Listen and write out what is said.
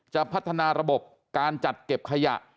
จะพัฒนาระบบการจัดเก็บขยะ